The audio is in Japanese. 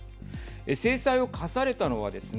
制裁を科されたのはですね